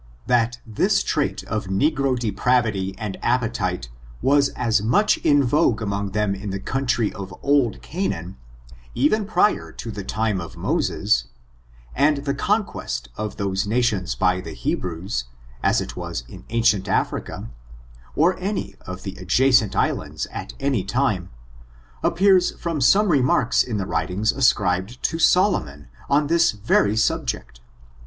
That this trait of negro depravity and appetite was as much in vogue amon^ them in the country of old Canaan, even prior to the time of Moses, and the conquest of those nations by the Hebrews, as it was in ancient Africa, or any of the adjacent islands at any time, appears from some remarks in the writings ascribed to Solomon, on this very subject.